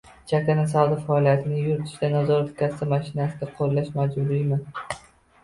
Chakana savdo faoliyatini yuritishda nazorat-kassa mashinasini qo‘llash majburiymi?